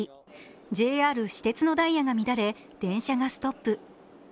ＪＲ・私鉄のダイヤが乱れ電車がストップ。